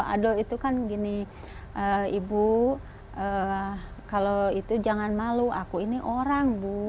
aduh itu kan gini ibu kalau itu jangan malu aku ini orang bu